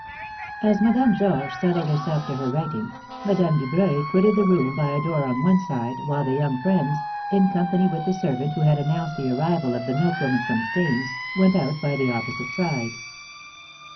As Madame Georges settled herself to her writing, Madame Dubreuil quitted the room by a door on one side, while the young friends, in company with the servant who had announced the arrival of the milkwoman from Stains, went out by the opposite side.